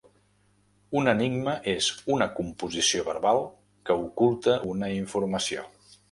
Un enigma és una composició verbal que oculta una informació.